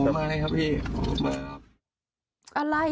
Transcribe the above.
อ๋อไม่ครับพี่